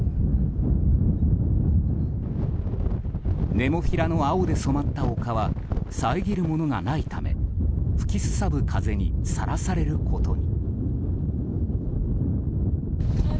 ネモフィラの青で染まった丘は遮るものがないため吹きすさぶ風にさらされることに。